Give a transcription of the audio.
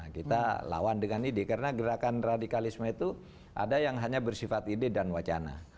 kita lawan dengan ide karena gerakan radikalisme itu ada yang hanya bersifat ide dan wacana